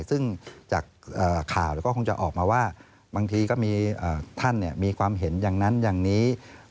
ซึ่งจากข่าวก็คงจะออกมาว่าบางทีก็มีท่านมีความเห็นอย่างนั้นอย่างนี้